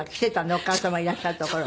お母様いらっしゃる所に。